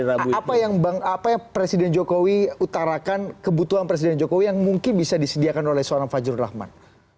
apa yang presiden jokowi utarakan kebutuhan presiden jokowi yang mungkin bisa disediakan oleh seorang fajrul rahman